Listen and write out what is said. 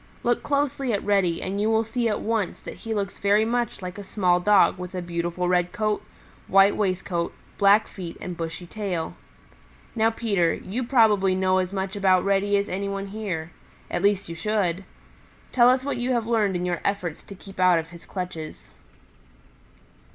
Look closely at Reddy and you will see at once that he looks very much like a small Dog with a beautiful red coat, white waistcoat, black feet and bushy tail. Now, Peter, you probably know as much about Reddy as any one here. At least you should. Tell us what you have learned in your efforts to keep out of his clutches."